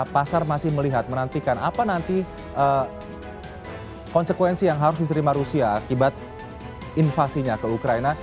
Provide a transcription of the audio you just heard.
pasar masih melihat menantikan apa nanti konsekuensi yang harus diterima rusia akibat invasinya ke ukraina